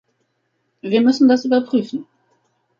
Wir müssen das überprüfen.